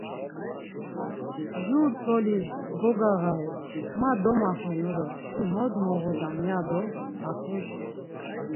Jur tolis gogağari, ma domaxenu do si mot moğodam ya do axvetzu.